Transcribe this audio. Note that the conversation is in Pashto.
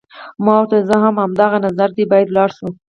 ما ورته وویل: زما هم همدا نظر دی، باید ولاړ شو.